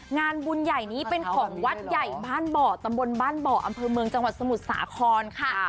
งานบุญใหญ่นี้เป็นของวัดใหญ่บ้านบ่อตำบลบ้านบ่ออำเภอเมืองจังหวัดสมุทรสาครค่ะ